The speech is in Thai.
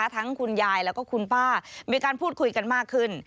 คุณยายแล้วก็คุณป้ามีการพูดคุยกันมากขึ้น